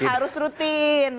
dari harus rutin